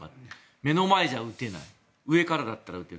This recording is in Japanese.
目の前じゃ撃てない上からだったら撃てる。